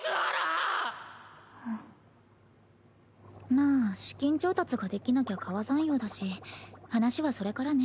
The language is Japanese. まあ資金調達ができなきゃ皮算用だし話はそれからね。